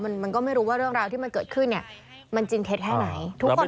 มันมันก็ไม่รู้ว่าเรื่องราวที่มันเกิดขึ้นเนี่ยมันจริงเท็จแค่ไหนทุกคน